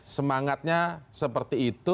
semangatnya seperti itu